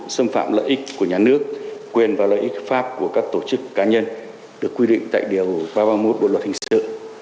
xâm phạm lợi ích của nhà nước quyền và lợi ích hợp pháp của các tổ chức cá nhân được quy định tại điều ba trăm ba mươi một bộ luật hình sự